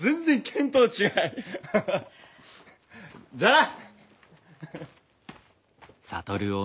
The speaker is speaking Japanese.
じゃあな！